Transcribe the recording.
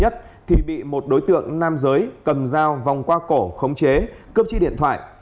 thì bị một đối tượng nam giới cầm dao vòng qua cổ khống chế cướp chiếc điện thoại